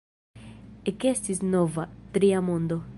Ekestis nova, "tria mondo".